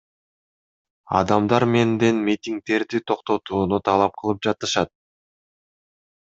Адамдар менден митингдерди токтотууну талап кылып жатышат.